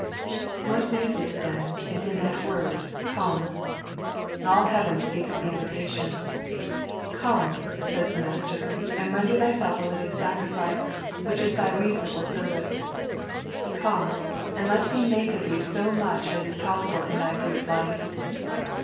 What music then is in that word Come I All heaven Bpeaks in the invitation. Come, says the Master, and render thyself a hving sacrifice, which is thy reasonable service. Come, and let Me make of thee so much as is possible in thy brief life.